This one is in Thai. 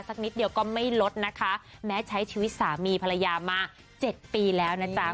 นิดเดียวก็ไม่ลดนะคะแม้ใช้ชีวิตสามีภรรยามาเจ็ดปีแล้วนะจ๊ะ